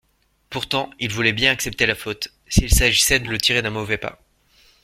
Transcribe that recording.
Pourtant, il voulait bien accepter la faute, s'il s'agissait de le tirer d'un mauvais pas.